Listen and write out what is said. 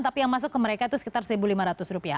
tapi yang masuk ke mereka itu sekitar satu lima ratus rupiah